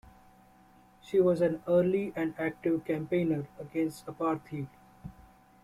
She was an early and active campaigner against apartheid.